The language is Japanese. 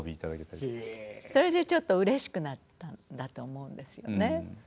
それでちょっとうれしくなったんだと思うんですよね。